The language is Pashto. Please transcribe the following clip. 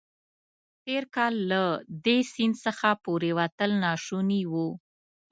تېر کال له دې سیند څخه پورېوتل ناشوني وو.